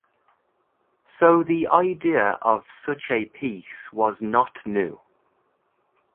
So the idea of such a piece was not new.